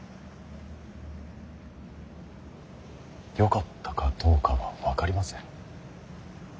よかったかどうかは分かりません。